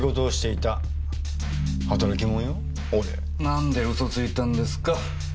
何で嘘ついたんですか？